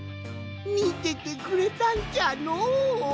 みててくれたんじゃのう。